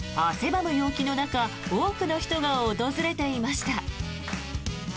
ばむ陽気の中多くの人が訪れていました。